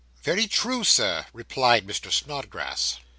'Very true, Sir,' replied Mr. Snodgrass.